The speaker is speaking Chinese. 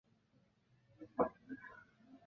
护得久御殿二世。